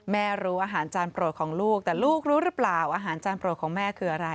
รู้อาหารจานโปรดของลูกแต่ลูกรู้หรือเปล่าอาหารจานโปรดของแม่คืออะไร